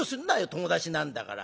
友達なんだから。